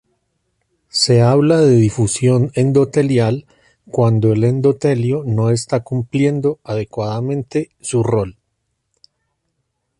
Se habla de disfunción endotelial cuando el endotelio no está cumpliendo adecuadamente su rol.